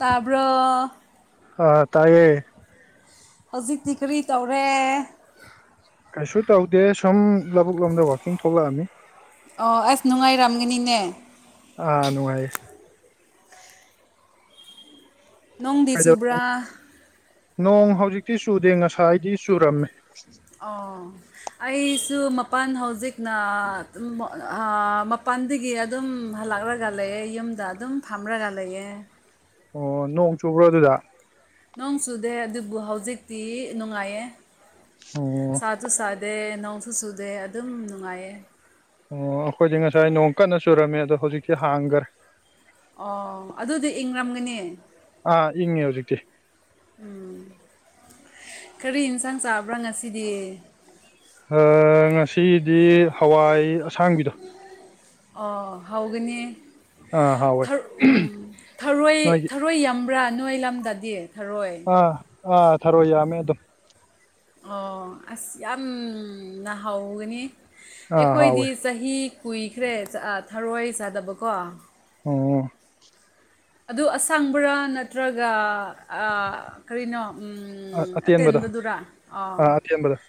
ꯇꯥꯕ꯭ꯔꯣ ꯑꯥ ꯇꯥꯏꯌꯦ ꯍꯧꯖꯤꯛꯇꯤ ꯀꯔꯤ ꯇꯧꯔꯦ ꯀꯩꯁꯨ ꯇꯧꯗꯦ ꯁꯨꯝ ꯂꯧꯕꯨꯛ ꯂꯣꯝꯗ ꯋꯥꯛꯀꯤꯡ ꯊꯣꯛꯂꯛꯑꯝꯃꯤ ꯑꯣ ꯑꯁ ꯅꯨꯡꯉꯥꯏꯔꯝꯒꯅꯤꯅꯦ ꯑꯥ ꯅꯨꯡꯉꯥꯏꯌꯦ ꯅꯣꯡꯗꯤ ꯆꯨꯕ꯭ꯔꯥ ꯀꯩꯗꯧꯔꯤꯅꯣ ꯅꯣꯡ ꯍꯧꯖꯤꯛꯇꯤ ꯆꯨꯗꯦ ꯉꯁꯥꯏꯗꯤ ꯆꯨꯔꯝꯃꯦ ꯑꯣ ꯑꯩꯁꯨ ꯃꯄꯥꯟ ꯍꯧꯖꯤꯛꯅ ꯗꯨꯝ ꯑꯥ ꯃꯄꯥꯟꯗꯒꯤ ꯑꯗꯨꯝ ꯍꯜꯂꯛꯂꯒ ꯂꯩꯌꯦ ꯌꯨꯝꯗ ꯑꯗꯨꯝ ꯐꯝꯔꯒ ꯂꯩꯌꯦ ꯑꯣ ꯅꯣꯡ ꯆꯨꯕ꯭ꯔꯣ ꯑꯗꯨꯗ ꯅꯣꯡ ꯆꯨꯗꯦ ꯑꯗꯨꯕꯨ ꯍꯧꯖꯤꯛꯇꯤ ꯅꯨꯡꯉꯥꯏꯌꯦ ꯑꯣ ꯁꯨ ꯁꯥꯗꯦ ꯅꯣꯡꯁꯨ ꯆꯨꯗꯦ ꯑꯗꯨꯝ ꯅꯨꯡꯉꯥꯏꯌꯦ ꯑꯣ ꯑꯩꯈꯣꯏꯗꯤ ꯉꯁꯥꯏ ꯅꯣꯡ ꯀꯟꯅ ꯆꯨꯔꯝꯃꯦ ꯑꯗꯣ ꯍꯧꯖꯤꯛꯇꯤ ꯍꯥꯡꯈ꯭ꯔꯦ ꯑꯣ ꯑꯗꯨꯗꯤ ꯏꯪꯔꯝꯒꯅꯤ ꯑꯥ ꯏꯪꯉꯦ ꯍꯧꯖꯤꯛꯇꯤ ꯎꯝ ꯀꯔꯤ ꯏꯟꯁꯥꯡ ꯆꯥꯕ꯭ꯔꯥ ꯉꯁꯤꯗꯤ ꯑꯥ ꯉꯁꯤꯗꯤ ꯍꯋꯥꯏ ꯑꯁꯥꯡꯕꯤꯗꯣ ꯑꯣ ꯍꯥꯎꯒꯅꯤ ꯑꯥ ꯍꯥꯎꯋꯦ ꯊꯔ ꯎꯝ ꯅꯣꯏꯒꯤ ꯊꯔꯣꯏ ꯌꯥꯝ ꯕ꯭ꯔꯥ ꯅꯣꯏ ꯂꯝꯗꯗꯤ ꯊꯔꯣꯏ ꯑꯥ ꯑꯥ ꯊꯔꯣꯏ ꯌꯥꯝꯃꯦ ꯑꯗꯨꯝ ꯑꯣ ꯑꯁ ꯌꯥꯝꯅ ꯍꯥꯎꯒꯅꯤ ꯑꯥ ꯍꯥꯎꯋꯦ ꯑꯩꯈꯣꯏꯗꯤꯁ ꯆꯍꯤ ꯀꯨꯏꯈ꯭ꯔꯦ ꯑ ꯊꯔꯣꯏ ꯆꯥꯗꯕꯀꯣ ꯑꯣ ꯑꯗꯨ ꯑꯁꯪꯕꯔꯥ ꯅꯠꯇ꯭ꯔꯒ ꯑꯥ ꯀꯔꯤꯅꯣ ꯎꯝ ꯎꯝ ꯑꯇꯦꯟꯕꯗꯣ ꯑꯇꯦꯟꯕꯗꯨꯔꯥ ꯑꯥꯎ ꯑꯥ ꯑꯇꯦꯟꯕꯗꯣ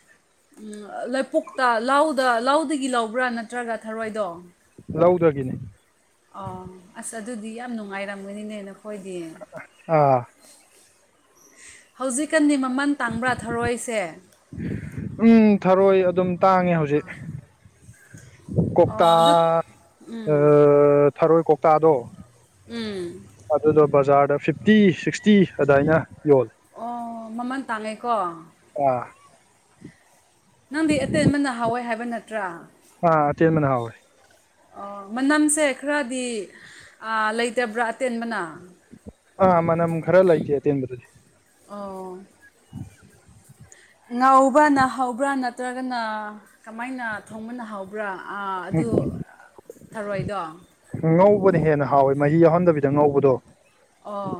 ꯎꯝ ꯑ ꯂꯩꯄꯨꯛꯇ ꯂꯧꯗ ꯂꯧꯗꯒꯤ ꯂꯧꯕ꯭ꯔꯥ ꯅꯠꯇ꯭ꯔꯒ ꯊꯔꯣꯏꯗꯣ ꯂꯧꯗꯒꯤꯅꯦ ꯑꯣ ꯑꯁ ꯑꯗꯨꯗꯤ ꯌꯥꯝ ꯅꯨꯡꯉꯥꯏꯔꯝꯒꯅꯤꯅꯦ ꯅꯈꯣꯏꯗꯤ ꯑꯥ ꯍꯧꯖꯤꯛꯀꯥꯟꯗꯤ ꯃꯃꯟ ꯇꯥꯡꯕ꯭ꯔꯥ ꯊꯔꯣꯏꯁꯦ ꯎꯝ ꯊꯔꯣꯏ ꯑꯗꯨꯝ ꯇꯥꯡꯉꯦ ꯍꯧꯖꯤꯛ ꯀꯣꯛꯇꯥ ꯑꯣ ꯑꯗꯨ ꯑ ꯎꯝ ꯊꯔꯣꯏ ꯀꯣꯛꯇꯥꯗꯣ ꯎꯝ ꯑꯗꯨꯗꯣ ꯕꯖꯥꯔꯗ ꯐꯤꯐꯇꯤ ꯁꯤꯛꯁꯇꯤ ꯑꯗꯥꯏꯅ ꯌꯣꯜꯂꯦ ꯑꯣ ꯃꯃꯜ ꯇꯥꯡꯉꯦꯀꯣ ꯑ ꯅꯪꯗꯤ ꯑꯇꯦꯟꯕꯅ ꯍꯥꯎꯋꯦ ꯍꯥꯏꯕ ꯅꯠꯇ꯭ꯔꯥ ꯑ ꯑꯇꯦꯟꯕꯅ ꯍꯥꯎꯋꯦ ꯑꯣ ꯃꯅꯝꯁꯦ ꯈꯔꯗꯤ ꯑ ꯂꯩꯇꯕ꯭ꯔꯥ ꯑꯇꯦꯟꯕꯅ ꯑ ꯃꯅꯝ ꯈꯔ ꯂꯩꯇꯦ ꯑꯇꯦꯟꯕꯗꯨꯗꯤ ꯑꯣ [unintelligible] ꯉꯧꯕꯥꯅ ꯍꯧꯕ꯭ꯔꯥ ꯅꯠꯇ꯭ꯔꯒꯅ ꯀꯃꯥꯏꯅ ꯊꯣꯡꯕꯅ ꯍꯥꯎꯕ꯭ꯔꯥ ꯑ ꯑꯗꯨ ꯎꯝ ꯊꯔꯣꯏꯗꯣ ꯉꯧꯕꯅ ꯍꯦꯟꯅ ꯍꯥꯎꯋꯦ ꯃꯍꯤ ꯌꯥꯎꯍꯟꯗꯕꯤꯗ ꯉꯧꯕꯗꯣ ꯑꯣ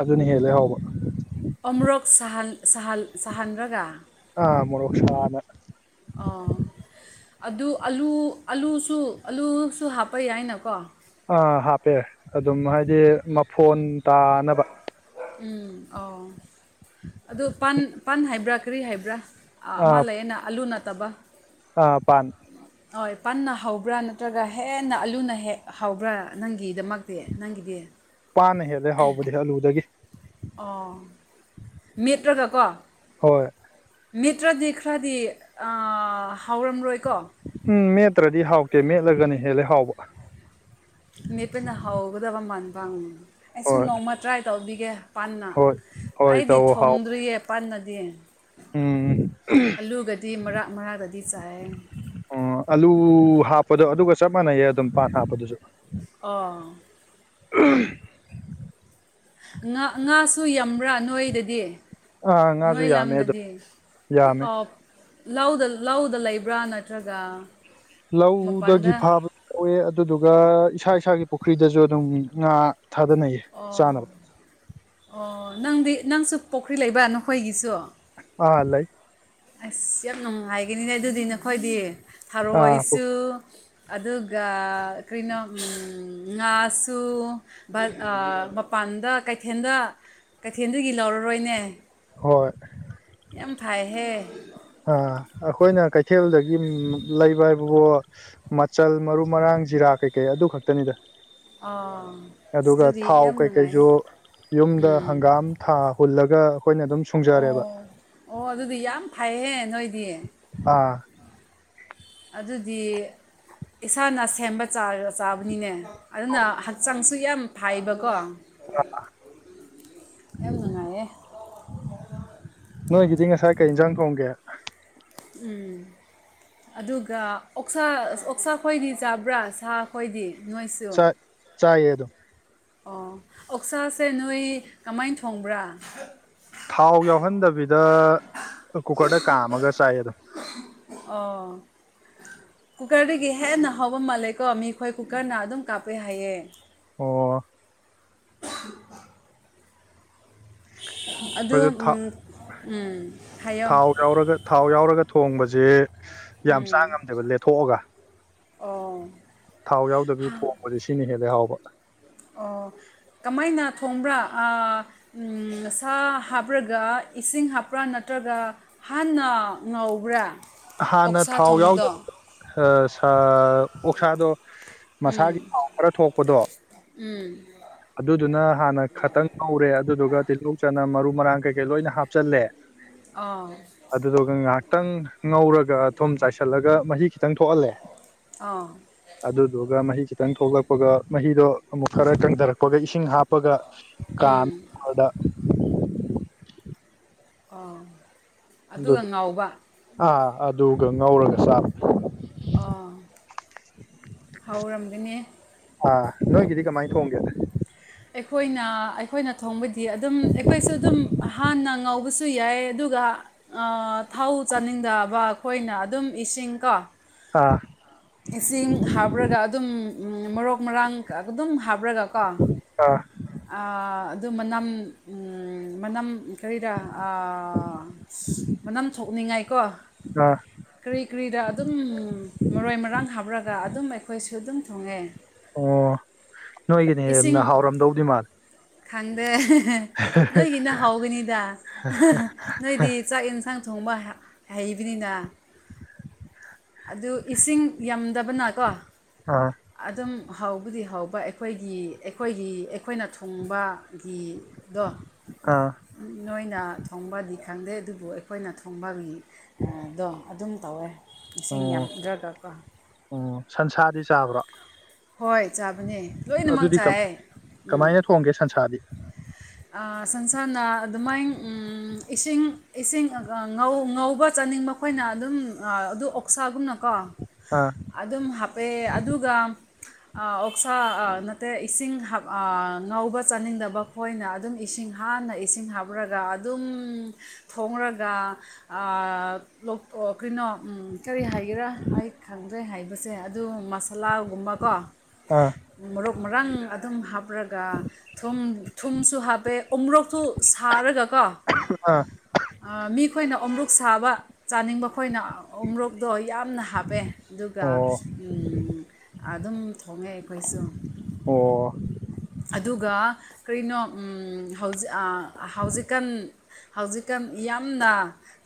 ꯑꯗꯨꯅ ꯍꯦꯜꯂꯦ ꯍꯥꯎꯕ ꯑꯃꯨꯨꯔꯛ ꯁꯥꯍꯟ ꯁꯥꯍꯜ ꯁꯥꯍꯟꯔꯒ ꯑ ꯃꯣꯔꯣꯛ ꯁꯅꯥ ꯑꯣ ꯑꯗꯨ ꯑꯂꯨ ꯑꯂꯨꯁꯨ ꯑꯂꯨꯁꯨ ꯍꯥꯞꯄ ꯌꯥꯏꯅꯀꯣ ꯑꯥ ꯍꯥꯞꯄꯦ ꯑꯗꯨꯝ ꯍꯥꯏꯗꯤ ꯃꯐꯣꯟ ꯇꯥꯅꯕ ꯎꯝ ꯑꯥꯎ ꯑꯗꯨ ꯄꯥꯟ ꯄꯥꯟ ꯍꯥꯏꯕ꯭ꯔꯥ ꯀꯔꯤ ꯍꯥꯏꯕ꯭ꯔꯥ ꯑꯃ ꯂꯩꯌꯦꯅ ꯑꯂꯨ ꯅꯠꯇꯕ ꯑ ꯄꯥꯟ [unintelligible] ꯍꯣꯏ ꯄꯥꯟꯅ ꯍꯥꯎꯕ꯭ꯔꯥ ꯅꯠꯇ꯭ꯔꯒ ꯍꯦꯟꯅ ꯑꯂꯨꯅ ꯍꯦꯛ ꯍꯥꯎꯕ꯭ꯔꯥ ꯅꯪꯒꯤꯗꯃꯛꯇꯤ ꯅꯪꯒꯤꯗꯤ ꯄꯥꯟꯅ ꯍꯦꯜꯂꯦ ꯍꯥꯎꯕꯗꯤ ꯑꯂꯨꯗꯒꯤ ꯑꯣ ꯃꯦꯠꯔꯒ ꯀꯣ ꯍꯣꯏ ꯃꯦꯠꯇ꯭ꯔꯗꯤ ꯈꯔꯗꯤ ꯑ ꯍꯥꯎꯔꯝꯔꯣꯏꯀꯣ ꯎꯝ ꯃꯦꯠꯇ꯭ꯔꯗꯤ ꯍꯥꯎꯇꯦ ꯃꯦꯠꯂꯥꯒꯅ ꯍꯦꯜꯂꯦ ꯍꯥꯎꯕ ꯃꯦꯠꯄꯅ ꯍꯥꯎꯒꯗꯕ ꯃꯥꯟꯕꯪ ꯑꯩꯁꯨ ꯍꯣꯏ ꯅꯣꯡꯃ ꯇ꯭ꯔꯥꯏ ꯇꯧꯕꯤꯒꯦ ꯄꯟꯅ ꯍꯣꯏ ꯍꯣꯏ ꯑꯩꯗꯤ ꯇꯧ ꯍꯥꯎ ꯊꯣꯡꯗ꯭ꯔꯤꯌꯦ ꯄꯟꯅꯗꯤ ꯎꯝ ꯑꯂꯨꯒꯗꯤ ꯃꯔꯥꯛ ꯃꯔꯥꯛꯇꯗꯤ ꯆꯥꯌꯦ ꯑꯣ ꯑꯂꯨ ꯍꯥꯞꯄꯗꯣ ꯑꯗꯨꯒ ꯆꯞ ꯃꯥꯟꯅꯩꯌꯦ ꯑꯗꯨꯝ ꯄꯥꯟ ꯍꯥꯞꯄꯗꯨꯖꯨ ꯑꯥ [inaudible] ꯉꯥ ꯉꯥꯁꯨ ꯌꯝꯕ꯭ꯔꯥ ꯅꯣꯏꯗꯗꯤ ꯑꯥ ꯉꯥꯁꯨ ꯅꯣꯏ ꯌꯥꯝꯃꯦ ꯑꯗꯨꯝ ꯂꯝꯗꯗꯤ ꯌꯥꯝꯃꯦ ꯑꯣꯞ ꯂꯧꯗ ꯂꯧꯗ ꯂꯩꯕ꯭ꯔꯥ ꯅꯠꯇ꯭ꯔꯒ ꯂꯧꯗꯒꯤ ꯃꯄꯥꯟꯗ ꯐꯥꯕ ꯑꯣꯑꯦ ꯑꯗꯨꯗꯨꯒ ꯏꯁꯥ ꯏꯁꯥꯒꯤ ꯄꯨꯈ꯭ꯔꯤꯗꯁꯨ ꯑꯗꯨꯝ ꯉꯥ ꯊꯥꯗꯅꯩꯌꯦ ꯑꯣ ꯆꯥꯅꯕ ꯑꯣ ꯅꯪꯗꯤ ꯅꯪꯁꯨ ꯄꯣꯈ꯭ꯔꯤ ꯂꯩꯕ ꯅꯈꯣꯏꯒꯤꯁꯨ ꯑꯥ ꯂꯩ ꯑꯁ ꯌꯥꯝ ꯅꯨꯡꯉꯥꯏꯒꯅꯤꯅꯦ ꯑꯗꯨꯗꯤ ꯅꯈꯣꯏꯗꯤ ꯑꯥ ꯊꯥꯔꯣꯏꯁꯨ ꯑꯗꯨꯒ ꯀ꯭ꯔꯤꯅꯣ ꯉꯥꯁꯨ ꯃꯄꯥꯟꯗ ꯀꯩꯊꯦꯜꯗ ꯀꯩꯊꯦꯜꯗꯒꯤ ꯂꯧꯔꯔꯣꯏꯅꯦ ꯍꯣꯏ ꯌꯥꯝ ꯐꯥꯏꯍꯦ ꯑ ꯑꯩꯈꯣꯏꯅ ꯀꯩꯊꯦꯜꯗꯒꯤ ꯂꯩꯕ ꯍꯥꯏꯕꯕꯨ ꯃꯆꯜ ꯃꯔꯨ ꯃꯔꯥꯡ ꯖꯤꯔꯥ ꯀꯩꯀꯩ ꯑꯗꯨ ꯈꯛꯇꯅꯤꯗ ꯑꯥ ꯑꯗꯨꯒ ꯑꯗꯨꯗꯤ ꯊꯥꯎ ꯌꯥꯝ ꯅꯨꯡꯉꯥꯏꯌꯦ ꯀꯩꯀꯩꯖꯨ ꯌꯨꯝꯗ ꯎꯝ ꯍꯪꯒꯥꯝ ꯊꯥ ꯍꯨꯜꯂꯒ ꯑꯩꯈꯣꯏꯅ ꯑꯗꯨꯝ ꯁꯨꯡꯖꯔꯦꯕ ꯑꯣ ꯑꯣ ꯑꯗꯨꯗꯤ ꯌꯥꯝ ꯐꯥꯏꯍꯦ ꯅꯣꯏꯗꯤ ꯑ ꯑꯗꯨꯗꯤ ꯏꯁꯥꯅ ꯁꯦꯝꯕ ꯆꯥ ꯆꯥꯕꯅꯤꯅꯦ ꯑꯗꯨꯅ ꯍꯛꯆꯥꯡꯁꯨ ꯌꯥꯝ ꯐꯥꯏꯕꯀꯣ ꯌꯥꯝ ꯅꯨꯡꯉꯥꯏꯌꯦ ꯅꯣꯏꯒꯤꯗꯤ ꯉꯁꯥꯏ ꯀꯩꯖꯡ ꯊꯣꯡꯒꯦ ꯎꯝ ꯑꯗꯨꯒ ꯑꯣꯛꯁꯥ ꯑꯣꯛꯁꯥ ꯈꯣꯏꯗꯤ ꯆꯥꯕ꯭ꯔꯥ ꯁꯥ ꯈꯣꯏꯗꯤ ꯅꯣꯏꯁꯨ ꯆꯥꯛ ꯆꯥꯏꯌꯦ ꯑꯗꯨꯝ ꯑꯣ ꯑꯣꯛꯁꯥꯁꯦ ꯅꯣꯏ ꯀꯃꯥꯏ ꯊꯣꯡꯕ꯭ꯔꯥ ꯊꯥꯎ ꯌꯥꯎꯍꯟꯗꯕꯤꯗ ꯀꯨꯀꯔꯗ ꯀꯥꯝꯃꯒ ꯆꯥꯏ ꯑꯗꯨꯝ ꯑꯣ ꯀꯨꯀꯔꯗꯒꯤ ꯍꯦꯟꯅ ꯍꯥꯎꯕ ꯃ ꯂꯩꯀꯣ ꯃꯤꯈꯣꯏ ꯀꯨꯀꯔꯅ ꯑꯗꯨꯝ ꯀꯥꯞꯄꯦ ꯍꯥꯏꯌꯦ ꯑꯣ ꯑꯗꯨ ꯑꯩꯈꯣꯏꯁꯨ ꯎꯝ ꯊꯥꯎ ꯎꯝ ꯍꯥꯏꯌꯣ ꯥꯉꯧꯔꯒ ꯊꯥꯎ ꯌꯥꯎꯔꯒ ꯊꯣꯡꯕꯖꯦ ꯎꯝ ꯑꯣ ꯊꯥꯎ ꯌꯥꯎꯗꯕꯤ ꯊꯣꯡꯕꯖꯦ ꯁꯤꯅ ꯍꯦꯜꯂꯦ ꯍꯥꯎꯕ ꯑꯣ ꯀꯃꯥꯏꯅ ꯊꯣꯡꯕ꯭ꯔꯥ ꯑꯥ ꯁꯥ ꯍꯥꯞꯔꯒ ꯏꯁꯤꯡ ꯍꯥꯞꯄ꯭ꯔꯥ ꯅꯠꯇ꯭ꯔꯒ ꯍꯥꯟꯅ ꯉꯧꯕ꯭ꯔꯥ ꯍꯥꯟꯅ ꯑꯣꯛꯁꯥ ꯊꯥꯎ ꯌꯥꯎꯗ ꯊꯣꯡꯕꯗꯣ ꯁꯥ ꯑꯣꯛꯁꯥꯗꯣ ꯃꯁꯥꯒꯤ ꯎꯝ ꯊꯥꯎ ꯈꯔ ꯊꯣꯛꯄꯗꯣ ꯎꯝ ꯑꯗꯨꯗꯨꯅ ꯍꯥꯟꯅ ꯈꯇꯪ ꯉꯧꯔꯦ ꯑꯗꯨꯗꯨꯒ ꯇꯤꯜꯍꯧ ꯆꯅꯝ ꯃꯔꯨ ꯃꯔꯥꯡ ꯀꯩꯀꯩ ꯂꯣꯏꯅ ꯍꯥꯞꯆꯜꯂꯦ ꯑꯥꯎ ꯑꯗꯨꯗꯨꯒ ꯉꯥꯏꯍꯥꯛꯇꯪ ꯉꯧꯔꯒ ꯊꯨꯝ ꯆꯥꯏꯁꯤꯜꯂꯒ ꯃꯍꯤ ꯈꯤꯇꯪ ꯊꯣꯛꯍꯜꯂꯦ ꯑꯥ ꯑꯗꯨꯗꯨꯒ ꯃꯍꯤ ꯈꯤꯇꯪ ꯊꯣꯛꯂꯛꯄꯒ ꯃꯍꯤꯗꯣ ꯑꯃꯨꯛ ꯈꯔ ꯀꯪꯊꯔꯛꯄꯒ ꯏꯁꯤꯡ ꯍꯥꯞ ꯒ ꯀꯥꯃ [unintelligible] ꯑꯣ ꯑꯗꯨꯒ ꯑꯗꯨ ꯉꯥꯎꯕ ꯑꯥ ꯑꯗꯨꯒ ꯉꯧꯔꯒ ꯆꯥꯕ ꯑꯣ ꯍꯧꯔꯝꯒꯅꯤ ꯑ ꯅꯣꯏꯒꯤꯗꯤ ꯀꯃꯥꯏꯅ ꯊꯣꯡꯒꯦꯗ ꯑꯩꯈꯣꯏꯅ ꯑꯩꯈꯣꯏꯅ ꯊꯣꯡꯕꯗꯤ ꯑꯗꯨꯝ ꯑꯩꯈꯣꯏꯁꯨ ꯑꯗꯨꯝ ꯍꯥꯟꯅ ꯉꯧ ꯕꯁꯨ ꯌꯥꯏ ꯑꯗꯨꯒ ꯑꯥ ꯊꯧ ꯆꯥꯅꯤꯡꯗꯕ ꯑꯩꯈꯣꯏꯅ ꯑꯗꯨꯝ ꯏꯁꯤꯡ ꯀꯣ ꯑꯥ ꯏꯁꯤꯡ ꯍꯥꯞꯄ꯭ꯔꯒ ꯑꯗꯨꯝ ꯃꯔꯣ ꯃꯔꯥꯡ ꯑꯗꯨꯝ ꯍꯥꯞꯄ꯭ꯔꯒ ꯀꯣ ꯑꯥ ꯑꯥ ꯑꯗꯨ ꯃꯅꯝ ꯃꯅꯝ ꯀꯔꯤꯔ꯭ ꯑꯥ ꯃꯅꯝ ꯊꯣꯛꯅꯤꯡꯉꯥꯏꯀꯣ ꯑꯥ ꯀꯔꯤ ꯀꯔꯤꯔ ꯑꯗꯨꯝ ꯃꯔꯣꯏ ꯃꯔꯥꯡ ꯍꯥꯞꯔꯒ ꯑꯗꯨꯝ ꯑꯩꯈꯣꯏꯁꯨ ꯑꯗꯨꯝ ꯊꯣꯡꯉꯦ ꯑꯣ ꯅꯣꯏꯒꯤꯅꯦ ꯍꯦꯟꯅ ꯏꯁꯤꯡ ꯍꯥꯎꯔꯝꯗꯧꯗꯤ ꯃꯥꯜꯂꯦ ꯈꯪꯗꯦ ꯅꯣꯏꯒꯤꯅ ꯍꯥꯎꯒꯅꯤꯗ ꯅꯣꯏꯗꯤ ꯆꯥꯛ ꯌꯦꯟꯁꯥꯡ ꯊꯣꯡꯕ ꯍꯥ ꯍꯩꯕꯅꯤꯅ ꯑꯗꯨ ꯏꯁꯤꯡ ꯌꯥꯝꯗꯕꯅꯀꯣ ꯑ ꯑꯗꯨꯝ ꯍꯧꯕꯗꯤ ꯍꯧꯕ ꯑꯩꯈꯣꯏꯒꯤ ꯑꯩꯈꯣꯏꯒꯤ ꯑꯩꯈꯣꯏꯅ ꯊꯨꯡꯕ ꯒꯤꯗꯣ ꯑꯥ ꯅꯣꯏꯅ ꯊꯣꯡꯕꯗꯤ ꯈꯪꯗꯦ ꯑꯗꯨꯕꯨ ꯑꯩꯈꯣꯏꯅ ꯊꯣꯡꯕꯒꯤ ꯗꯣ ꯑꯗꯨꯝ ꯇꯧꯋꯦ ꯑꯦꯁꯤꯪ ꯌꯥꯝꯗ꯭ꯔꯒꯀꯣ ꯎꯝ ꯁꯟꯁꯥꯗꯤ ꯆꯥꯕ꯭ꯔꯥ ꯍꯣꯏ ꯆꯥꯕꯅꯦ ꯂꯣꯏꯅꯃꯛ ꯑꯗꯨꯗꯤ ꯀꯃꯥ ꯆꯥꯏꯌꯦ ꯀꯃꯥꯏꯅꯥ ꯊꯣꯡꯒꯦ ꯁꯟꯁꯥꯗꯤ ꯑꯥ ꯁꯟꯁꯅ ꯑꯗꯨꯃꯥꯏ ꯎꯟ ꯏꯁꯤꯡ ꯏꯁꯤꯡ ꯉꯧ ꯉꯧꯕ ꯆꯥꯅꯤꯡꯕ ꯑꯩꯈꯣꯏꯅ ꯑꯗꯨꯝ ꯑꯗꯨ ꯑꯣꯛꯁꯥꯒꯨꯝꯅꯀꯣ ꯍ ꯑꯗꯨꯝ ꯍꯥꯄꯦ ꯑꯗꯨꯒ ꯑꯥ ꯑꯣꯛꯁꯥ ꯑꯥ ꯅꯠꯇꯦ ꯏꯁꯤꯡ ꯉꯧꯕ ꯆꯥꯅꯤꯡꯗꯕ ꯈꯣꯏꯅ ꯑꯗꯨꯝ ꯏꯁꯤꯡ ꯍꯥꯟꯅ ꯏꯁꯤꯡ ꯍꯥꯞꯔꯒ ꯑꯗꯨꯝ ꯊꯣꯡꯔꯒ ꯑ ꯂꯣꯛꯑꯣ ꯀꯩꯅꯣ ꯎꯟ ꯀꯔꯤ ꯍꯥꯏꯒꯦꯔꯥ ꯑꯩ ꯈꯪꯗ꯭ꯔꯦ ꯍꯥꯏꯕꯁꯦ ꯑꯗꯨ ꯃꯁꯥꯂꯥ ꯀꯨꯕ ꯀꯣ ꯑꯥ ꯃꯔꯣ ꯃꯔꯥꯡ ꯑꯗꯨꯝ ꯍꯥꯞꯔꯒ ꯊꯨꯝ ꯊꯨꯝꯁꯨ ꯍꯥꯞ ꯍꯥꯐꯦ ꯎꯣꯔꯣꯛꯇꯨ ꯁꯥꯔꯒꯀꯣ ꯑ ꯑꯥ ꯃꯤꯈꯣꯏꯅ ꯑꯣꯃ꯭ꯔꯨꯛ ꯁꯥꯕ ꯆꯥꯅꯤꯡꯕ ꯈꯣꯏꯅ ꯎꯨꯃꯣꯛꯇꯣ ꯌꯥꯝꯅ ꯍꯥꯞꯄꯦ ꯑꯗꯨꯒ ꯑꯣ ꯎꯝ ꯑꯗꯨꯝ ꯊꯣꯡꯉꯦ ꯑꯩꯈꯣꯏꯁꯨ ꯑꯣ ꯑꯗꯨꯒ ꯀꯔꯤꯅꯣ ꯎꯝ ꯍꯧꯖꯤ ꯑ ꯍꯧꯖꯤꯛꯀꯥꯟ ꯍꯧꯖꯤꯛꯀꯥꯟ ꯌꯥꯝꯅ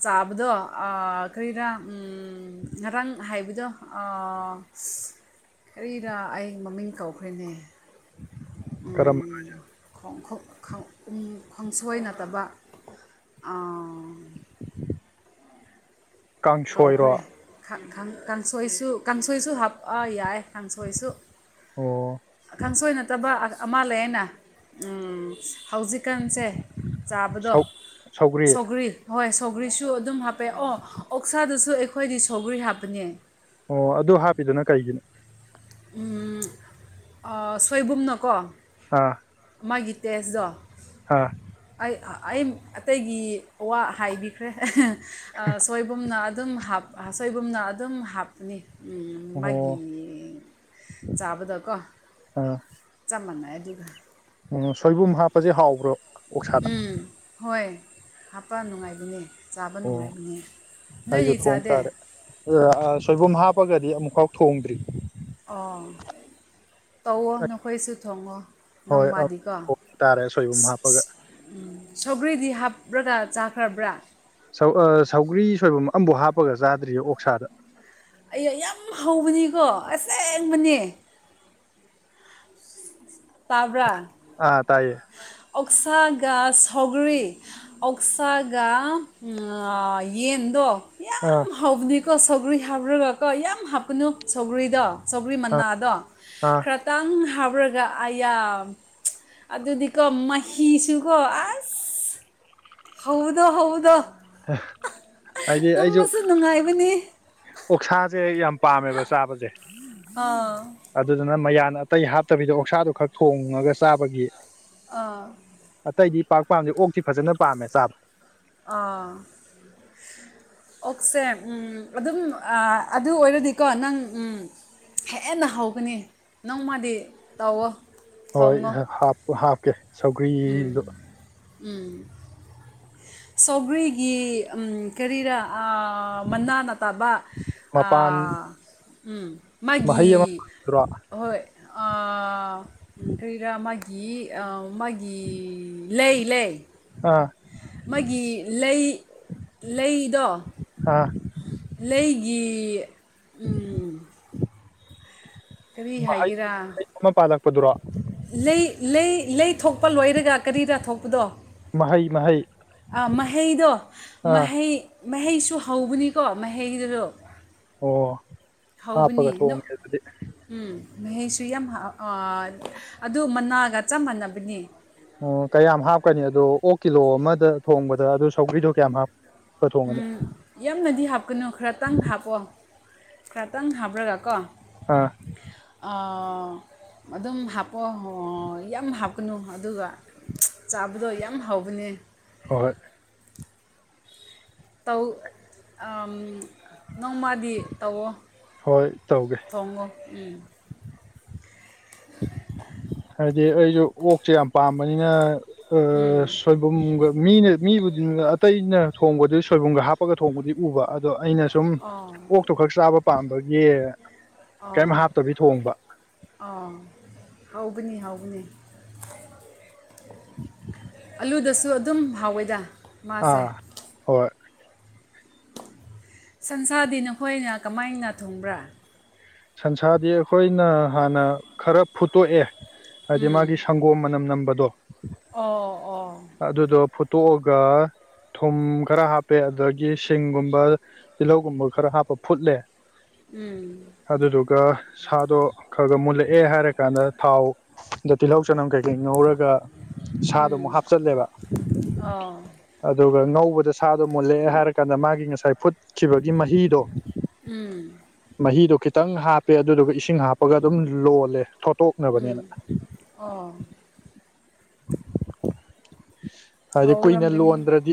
ꯆꯥꯕꯗꯣ ꯑ ꯀꯔꯤꯔ ꯎꯝ ꯉꯔꯥꯡ ꯍꯥꯏꯕꯗꯣ ꯑ ꯀꯔꯤꯔꯥ ꯑꯩ ꯃꯃꯤꯡ ꯀꯧꯈ꯭ꯔꯦꯅꯦ ꯀꯔꯝꯕ ꯎꯝ ꯈꯣꯡꯁꯣꯏ ꯅꯠꯇꯕ ꯀꯥꯡꯁꯣꯏꯔꯣ ꯀꯧꯈ꯭ꯔꯦ ꯈꯥ ꯈꯥ ꯀꯥꯡꯁꯣꯏꯁꯨ ꯀꯥꯡꯁꯣꯏꯁꯨ ꯍꯥꯞꯑ ꯌꯥꯏ ꯀꯥꯡꯁꯣꯏꯁꯨ ꯑꯣ ꯈꯪꯁꯣꯏ ꯅꯠꯇꯕ ꯑ ꯑꯃ ꯂꯩꯌꯦꯅ ꯎꯝ ꯍꯧꯖꯤꯛꯀꯥꯟꯁꯦ ꯆꯥꯕꯗꯣ ꯁꯧ ꯁꯧꯒ꯭ꯔꯤ ꯍꯣꯏ ꯁꯧꯒ꯭ꯔꯤꯁꯨ ꯑꯗꯨꯝ ꯍꯥꯞꯄꯦ ꯑꯣ ꯑꯣꯛꯁꯥꯗꯨꯁꯨ ꯑꯩꯈꯣꯏꯗꯤ ꯁꯧꯒ꯭ꯔꯤ ꯍꯥꯞꯄꯅꯦ ꯑꯣ ꯑꯗꯨ ꯍꯥꯞꯄꯤꯗꯨꯅ ꯀꯩꯒꯤꯅꯣ ꯎꯝ ꯑ ꯁꯣꯏꯕꯨꯝꯅꯀꯣ ꯑꯥ ꯃꯥꯒꯤ ꯇꯦꯁꯗꯣ ꯍꯥꯥ ꯑꯩ ꯑꯩ ꯑꯇꯩꯒꯤ ꯋꯥ ꯍꯥꯏꯕꯤꯈ꯭ꯔꯦ ꯑ ꯁꯣꯏꯕꯨꯝꯅ ꯑꯗꯨꯝ ꯍꯥꯞ ꯁꯣꯏꯕꯨꯝꯅ ꯑꯗꯨꯝ ꯍꯥꯞꯄꯅꯤ ꯎꯝ ꯑꯣ ꯃꯥꯒꯤ ꯆꯥꯕꯗꯀꯣ ꯑꯥ ꯆꯞ ꯃꯥꯟꯅꯩ ꯑꯗꯨꯒ ꯑꯣ ꯁꯣꯏꯕꯨꯝ ꯍꯥꯞꯄꯁꯦ ꯍꯥꯎꯕ꯭ꯔꯣ ꯑꯣꯛꯁꯥꯗ ꯎꯝ ꯍꯣꯏ ꯍꯥꯞꯄ ꯅꯨꯡꯉꯥꯏꯕꯅꯦ ꯆꯥꯕ ꯑꯣ ꯅꯨꯡꯉꯥꯏꯕꯅꯦ ꯅꯣꯏꯗꯤ ꯆꯥꯗꯦ ꯑ ꯁꯣꯏꯕꯨꯝ ꯍꯥꯞꯄꯒꯗꯤ ꯑꯃꯨꯛꯈꯥꯎ ꯊꯣꯡꯗ꯭ꯔꯤ ꯑꯣ ꯇꯧꯋꯣ ꯅꯈꯣꯏꯁꯨ ꯊꯣꯡꯉꯣ ꯍꯣꯏ ꯅꯣꯡꯃꯗꯤꯀꯣ ꯊꯣꯡ ꯇꯥꯔꯦ ꯁꯣꯏꯕꯨꯝ ꯍꯥꯞꯄꯒ ꯎꯝ ꯁꯧꯒ꯭ꯔꯤꯗꯤ ꯍꯥꯞꯄ꯭ꯔꯒ ꯆꯥꯈ꯭ꯔꯕ꯭ꯔꯥ ꯁꯧ ꯑꯥ ꯁꯧꯒ꯭ꯔꯤ ꯁꯣꯏꯕꯨꯝ ꯑꯕꯥꯎ ꯍꯥꯞꯄꯒ ꯆꯥꯗ꯭ꯔꯤꯌꯦ ꯑꯣꯛꯁꯥꯗ ꯑꯩꯌꯥ ꯌꯥꯝ ꯍꯧꯕꯅꯤꯀꯣ ꯑꯁꯦꯡꯕꯅꯦ ꯇꯥꯕ꯭ꯔ ꯑꯥ ꯇꯥꯏꯌꯦ ꯑꯣꯛꯁꯥꯒꯥ ꯁꯧꯒ꯭ꯔꯤ ꯑꯣꯛꯁꯒ ꯑ ꯌꯦꯟꯗꫭ ꯑꯥ ꯍꯥꯎꯕꯅꯤꯀꯣ ꯁꯧꯒ꯭ꯔꯤ ꯍꯥꯞꯄꯔꯒꯀꯣ ꯌꯥꯝ ꯍꯥꯞꯀꯅꯨ ꯁꯧꯒ꯭ꯔꯤꯗꯣ ꯁꯧꯒ꯭ꯔꯤ ꯑꯥ ꯃꯅꯥꯗꯣ ꯑꯥ ꯈꯔꯇꯪ ꯍꯥꯞꯔꯒ ꯑꯌꯥ ꯑꯗꯨꯗꯤꯀꯣ ꯃꯍꯤꯁꯨꯀꯣ ꯑꯁ ꯍꯧꯕꯗꯣ ꯍꯧꯕꯗꯣ ꯍꯥꯏꯗꯤ ꯑꯩꯁꯨ ꯇꯨꯝꯃꯁꯨ ꯅꯨꯡꯉꯥꯏꯕꯅꯤ ꯑꯣꯛꯁꯥꯁꯦ ꯌꯥꯝ ꯄꯥꯝꯃꯦꯕ ꯆꯥꯕꯁꯦ ꯑꯥ ꯑꯗꯨꯗꯨꯅ ꯃꯌꯥꯟ ꯑꯇꯩ ꯍꯥꯞꯇꯕꯤꯗ ꯑꯣꯛꯁꯥꯗꯣ ꯈꯛ ꯊꯣꯡꯉꯒ ꯆꯥꯕꯒꯤ ꯑꯥ ꯑꯇꯩꯗꯤ ꯄꯥꯛ ꯄꯥꯝꯗꯦ ꯑꯣꯛꯇꯤ ꯐꯖꯅ ꯄꯥꯝꯃꯦ ꯆꯥꯕ ꯑꯥ ꯑꯣꯛꯁꯦ ꯎꯝ ꯑꯗꯨꯝ ꯑꯥ ꯑꯗꯨ ꯑꯣꯏꯔꯗꯤꯀꯣ ꯅꯪ ꯎꯝ ꯍꯦꯟꯅ ꯍꯧꯒꯅꯤ ꯅꯪꯃꯗꯤ ꯇꯧꯋꯣ ꯍꯣꯏ ꯊꯣꯡꯉꯣ ꯍꯦ ꯍꯥꯞꯄ ꯍꯥꯞꯀꯦ ꯁꯧꯒ꯭ꯔꯤꯗꯣ ꯎꯝ ꯁꯥꯎꯒꯔꯤꯒꯤ ꯑꯝ ꯀꯔꯤꯔ ꯑꯥ ꯑꯥ ꯃꯅꯥ ꯅꯠꯇꯕ ꯃꯄꯥꯟ ꯑꯥ ꯎꯝ ꯃꯥꯒꯤ ꯃꯍꯩ ꯑꯃ ꯄꯥꯜꯂꯛꯄꯗꯨꯔꯣ ꯍꯣꯏ ꯑꯥ ꯀꯔꯤꯔꯥ ꯃꯥꯒꯤ ꯑꯝ ꯃꯥꯒꯤ ꯂꯩ ꯂꯩ ꯑꯥ ꯃꯥꯒꯤ ꯂꯩ ꯂꯩꯗꯣ ꯑꯥ ꯂꯩꯒꯤ ꯎꯝ ꯀꯔꯤ ꯃꯍꯩ ꯍꯥꯏꯒꯦꯔꯥ ꯑꯃ ꯄꯥꯜꯂꯛꯄꯗꯨꯔꯣ ꯂꯩ ꯂꯩ ꯂꯩ ꯊꯣꯛꯄ ꯂꯣꯏꯔꯒ ꯀꯔꯤꯗ ꯊꯣꯛꯄꯗꯣ ꯃꯍꯩ ꯃꯍꯩ ꯑꯥ ꯃꯍꯩꯗꯣ ꯑꯥ ꯃꯍꯩ ꯃꯍꯩꯁꯨ ꯍꯧꯕꯅꯤꯀꯣ ꯃꯍꯩꯗꯨꯗꯣ ꯑꯣ ꯍꯥꯞꯄꯒ ꯊꯣꯡꯒꯦ ꯑꯗꯨꯗꯤ ꯎꯝ ꯃꯍꯩꯁꯨ ꯌꯥꯝ ꯍ ꯑꯥ ꯑꯗꯨ ꯃꯅꯥꯒ ꯆꯞ ꯃꯥꯟꯅꯕꯅꯤ ꯑꯣ ꯀꯌꯥꯝ ꯍꯥꯞꯀꯅꯤ ꯑꯗꯣ ꯑꯣꯛ ꯀꯤꯂꯣ ꯑꯃꯗ ꯊꯣꯡꯕꯗ ꯑꯗꯨ ꯁꯧꯒ꯭ꯔꯤꯗꯣ ꯀꯌꯥꯝ ꯍꯥꯞ ꯐ ꯊꯣꯡꯒꯅꯤ ꯌꯥꯝꯅꯗꯤ ꯍꯥꯞꯀꯅꯨ ꯈꯔꯇꯪ ꯍꯥꯞꯄꯣ ꯈꯔꯇꯪ ꯍꯥꯞꯔꯒ ꯀꯣ ꯑꯥ ꯑꯥ ꯑꯗꯨꯝ ꯍꯥꯞꯄꯣꯑꯣ ꯌꯥꯝ ꯍꯥꯞꯀꯅꯨ ꯑꯗꯨꯒ ꯆꯥꯕꯗꯣ ꯌꯥꯝ ꯍꯥꯎꯕꯅꯦ ꯍꯣꯏ ꯇꯧ ꯑꯝ ꯅꯣꯡꯃꯗꯤ ꯇꯧꯋꯣ ꯍꯣꯏ ꯇꯧꯒꯦ ꯊꯣꯡꯉꫭ ꯎꯝ [inaudible] ꯍꯥꯏꯗꯤ ꯑꯩꯁꯨ ꯑꯣꯛꯁꯦ ꯌꯥꯝ ꯄꯥꯝꯕꯅꯤꯅ ꯎꯝ ꯑ ꯁꯣꯏ ꯕꯨꯝꯒ ꯃꯤꯅ ꯃꯤꯕꯨ ꯑꯇꯩꯅ ꯊꯣꯡꯕꯗꯨ ꯁꯣꯏꯕꯨꯝꯒ ꯍꯥꯞꯄꯒ ꯊꯣꯡꯕꯗꯤ ꯎꯕ ꯑꯗꯣ ꯑꯩꯅ ꯁꯨꯝ ꯑꯣ ꯑꯣꯛꯇꯣ ꯈꯛ ꯆꯥꯕ ꯄꯥꯝꯕꯒꯤ ꯀꯔꯤꯝ ꯑꯣ ꯍꯥꯞꯇꯕꯤ ꯊꯣꯡꯕ ꯑꯥ ꯍꯥꯎꯕꯅꯤ ꯍꯥꯎꯒꯅꯤ [inaudible] ꯑꯂꯨꯗꯁꯨ ꯑꯗꯨꯝ ꯍꯥꯎꯋꯦꯗ ꯑꯥ ꯃꯥꯁꯦ ꯍꯣꯏ ꯁꯟꯁꯥꯗꯤ ꯅꯈꯣꯏꯅ ꯀꯃꯥꯏꯅ ꯊꯣꯡꯕ꯭ꯔꯥ ꯁꯟꯁꯥꯗꯤ ꯑꯩꯈꯣꯏꯅ ꯍꯥꯟꯅ ꯈꯔ ꯐꯨꯠꯇꯣꯛꯑꯦ ꯍꯥꯏꯗꯤ ꯃꯥꯒꯤ ꯎꯝ ꯁꯪ ꯒꯣꯝ ꯃꯅꯝ ꯅꯝꯕꯗꯣ ꯑꯣ ꯑꯣ ꯑꯗꯨꯗꯣ ꯐꯨꯠꯇꯣꯛꯑꯒ ꯊꯨꯝ ꯈꯔ ꯍꯥꯞꯄꯦ ꯑꯗꯨꯗꯒꯤ ꯁꯤꯡꯒꯨꯝꯕ ꯇꯤꯜꯍꯧꯒꯨꯝꯕ ꯈꯔ ꯍꯥꯞꯄ ꯐꯨꯠꯂꯦ ꯎꯝ ꯑꯗꯨꯗꯨꯒ ꯁꯥꯗꯣ ꯈꯒ ꯃꯨꯜꯂꯛꯑꯦ ꯍꯥꯏꯔꯀꯥꯟꯗ ꯊꯥꯎ ꯑꯗ ꯇꯤꯜꯍꯧ ꯆꯅꯝ ꯀꯩꯀꯩ ꯉꯧꯔꯒ ꯁꯥꯗꯨ ꯑꯃꯨꯛ ꯍꯥꯞꯆꯜꯂꯦꯕ ꯑꯣ ꯑꯗꯨꯒ ꯉꯧꯕꯗ ꯁꯥꯗꯣ ꯃꯨꯜꯂꯛꯑꯦ ꯍꯥꯏꯔꯀꯥꯟꯗ ꯃꯥꯒꯤ ꯉꯁꯥꯏ ꯐꯨꯠꯈꯤꯕꯒꯤ ꯃꯍꯤꯗꯣ ꯎꯝ ꯃꯍꯤꯗꯣ ꯈꯤꯇꯪ ꯍꯥꯞꯄꯦ ꯑꯗꯨꯗꯨꯒ ꯏꯁꯤꯡ ꯍꯥꯞꯄꯒ ꯑꯗꯨꯝ ꯂꯣꯜꯂꯦ ꯊꯣꯇꯣꯛ ꯅꯕꯅꯦꯅ ꯎꯝ ꯑꯣ ꯍꯥꯏꯗꯤ ꯀꯨꯏꯅ ꯍꯥꯎꯔꯝꯒꯅꯤ ꯂꯣꯟꯗ꯭ꯔꯗꯤ